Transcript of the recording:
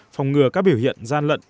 phòng ngừa các biểu hiện gian lận